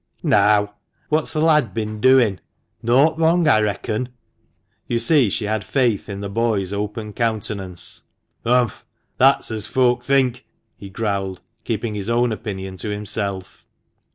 "Now? Why, what's th' lad been doing? Naught wrong, I reckon ?" You see she had faith in the boy's open countenance. " Humph ! that's as folk think," he growled, keeping his own opinion to himself.